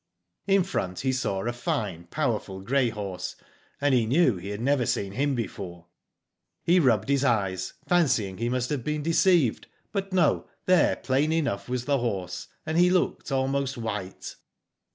In front he saw a fine, powerful grey horse, and he knew he had never seen him before. '* He rubbed his eyes, fancying he must have been deceived; but no, there plain enough was the horse, and he looked almost white.